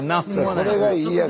これがいいやん。